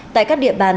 tại các địa bàn